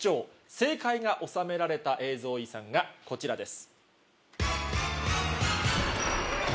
正解がおさめられた映像遺産がこちらです。